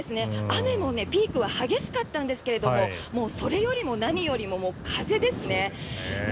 雨もピークは激しかったんですがもうそれよりも何よりも風ですね。